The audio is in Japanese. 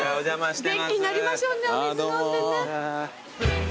元気になりましょうねお水飲んでね。